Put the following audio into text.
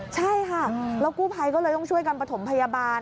ใช่ค่ะแล้วกู้ภัยก็เลยต้องช่วยกันประถมพยาบาล